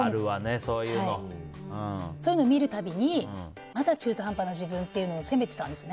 そういうのを見るたびに中途半端な自分を責めてたんです。